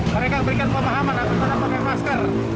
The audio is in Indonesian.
mereka berikan pemahaman aku pernah pakai masker